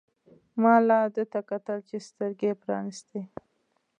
ما لا ده ته کتل چې سترګې يې پرانیستې.